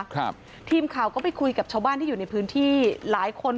ครับทีมข่าวก็ไปคุยกับชาวบ้านที่อยู่ในพื้นที่หลายคน